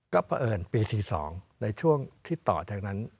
ก็เผอิญปี๑๙๔๒ในช่วงที่ต่อจากนั้น